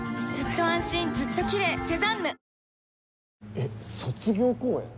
えっ？卒業公演？